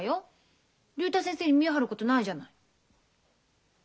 竜太先生に見栄張ることないじゃない。